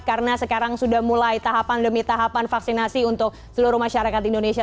karena sekarang sudah mulai tahapan demi tahapan vaksinasi untuk seluruh masyarakat indonesia